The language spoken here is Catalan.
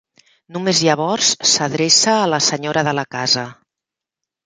Només llavors s'adreça a la senyora de la casa.